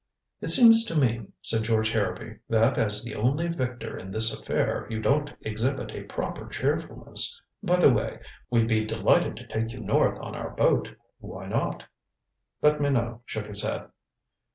"It seems to me," said George Harrowby, "that as the only victor in this affair, you don't exhibit a proper cheerfulness. By the way, we'd be delighted to take you north on our boat. Why not " But Minot shook his head.